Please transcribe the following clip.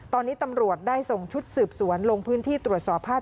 ตอนนี้ตำรวจได้ส่งชุดสืบสวนลงพื้นที่ตรวจสอบภาพ